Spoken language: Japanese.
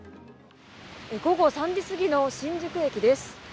午後３時すぎの新宿駅です。